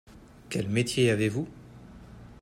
Quel métier avez-vous ?